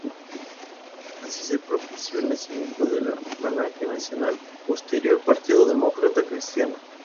Así se propició el nacimiento de la Falange Nacional, posterior Partido Demócrata Cristiano.